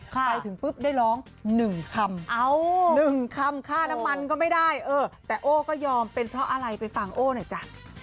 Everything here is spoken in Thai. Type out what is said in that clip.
ไปถึงปุ๊บได้ร้อง๑คำ๑คำค่าน้ำมันก็ไม่ได้เออแต่โอ้ก็ยอมเป็นเพราะอะไรไปฟังโอ้หน่อยจ้ะ